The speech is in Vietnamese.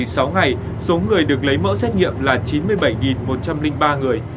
trong hai mươi sáu ngày số người được lấy mẫu xét nghiệm là chín mươi bảy một trăm linh ba người